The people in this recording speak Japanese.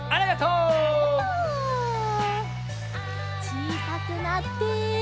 ちいさくなって。